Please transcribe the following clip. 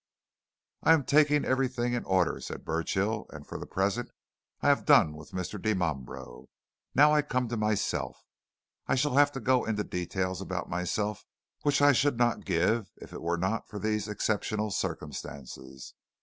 "I am taking everything in order," said Burchill. "And for the present I have done with Mr. Dimambro. Now I come to myself. I shall have to go into details about myself which I should not give if it were not for these exceptional circumstances.